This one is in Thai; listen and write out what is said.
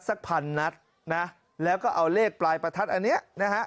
สักพันนัดนะแล้วก็เอาเลขปลายประทัดอันเนี้ยนะฮะ